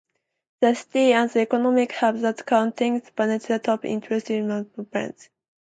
The city is an economic hub that contains Venezuela's top industries and manufacturing companies.